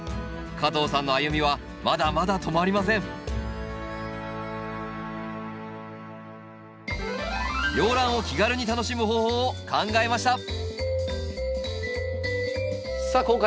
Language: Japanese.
加藤さんの歩みはまだまだ止まりません洋ランを気軽に楽しむ方法を考えましたさあ